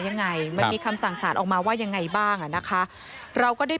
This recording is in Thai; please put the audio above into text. ยังไงมันมีคำสั่งสารออกมาว่ายังไงบ้างอ่ะนะคะเราก็ได้